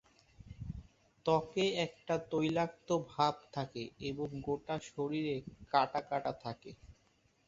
ত্বকে একটা তৈলাক্ত ভাব থাকে এবং গোটা শরীরে কাঁটা কাঁটা থাকে।